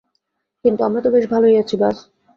কিন্তু আমরা বেশ ভালোই আছি, বায।